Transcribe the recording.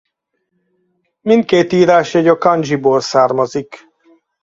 Mindkét írásjegy a kandzsiból származik.